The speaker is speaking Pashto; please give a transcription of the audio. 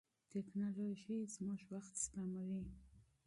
ټیکنالوژي زموږ وخت سپموي.